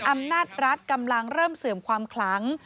อำนาจรัฐกำลังเริ่มเสื่อมความคลัง